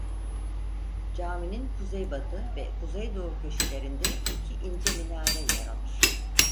Caminin kuzeybatı ve kuzeydoğu köşelerinde iki ince minare yer alır.